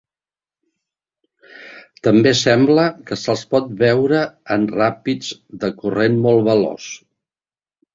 També sembla que se'ls pot veure en ràpids de corrent molt veloç.